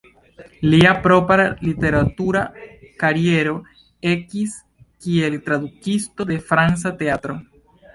Lia propra literatura kariero ekis kiel tradukisto de franca teatro.